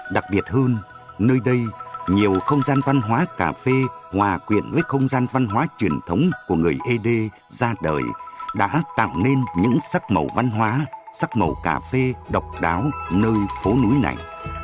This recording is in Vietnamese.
đặc biệt hơn nơi đây nhiều không gian văn hóa cà phê hòa quyện với không gian văn hóa truyền thống của người ế đê ra đời đã tạo nên những sắc màu văn hóa sắc màu cà phê độc đáo nơi phố núi này